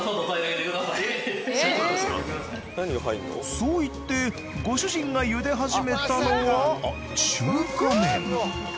そう言ってご主人が茹で始めたのは中華麺。